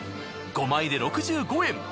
５枚で６５円！